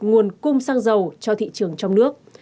nguồn cung sang giàu cho thị trường trong nước